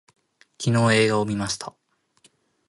昨日映画を見ました